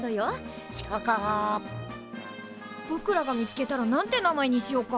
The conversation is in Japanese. ぼくらが見つけたら何て名前にしようか？